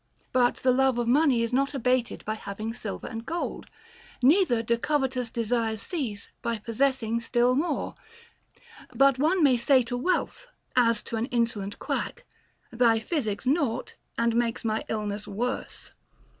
But the OF THE LOVE OF WEALTH. 295 love of money is not abated by having silver and gold ; neither do covetous desires cease by possessing still more But one may say to wealth, as to an insolent quack, Thy physic's nought, and makes my illness worse.